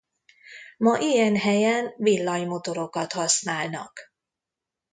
Ma ilyen helyen villanymotorokat használnak.